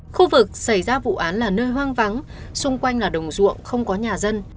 khu vực xảy ra vụ án là nơi hoang vắng xung quanh là đồng ruộng không có nhà dân